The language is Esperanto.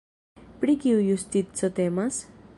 Pri kiu justico temas?